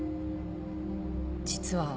実は。